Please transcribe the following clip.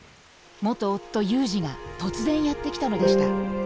元夫祐二が突然やって来たのでした。